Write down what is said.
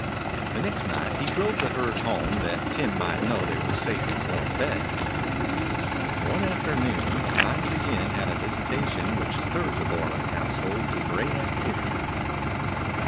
The next night he drove the herd home, that Tim might know they were safe and well fed. One afternoon Pine Tree Inn had a visita tion which stirred the Borlan household to great activity.